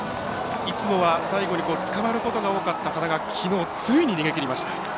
いつもは最後につかまることが多かった多田がついに逃げきりました。